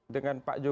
dengan pak jokowi